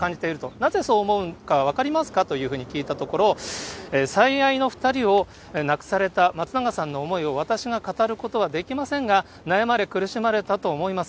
なぜそう思うか分かりますかというふうに聞いたところ、最愛の２人を亡くされた松永さんの思いを私が語ることはできませんが、悩まれ、苦しまれたと思います。